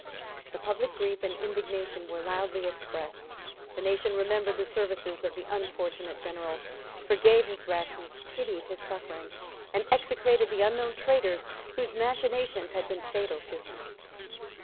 The public grief and indignation were loudly expressed. The nation remembered the services of the unfortunate general, forgave his rashness, pitied his sufferings, and execrated the unknown traitors whose machinations had been fatal to him.